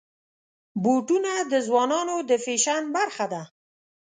بوټونه د ځوانانو د فیشن برخه ده.